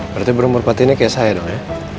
berarti burung merpati ini kayak saya dong ya